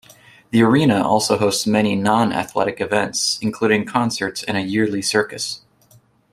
The arena also hosts many non-athletic events including concerts and a yearly circus.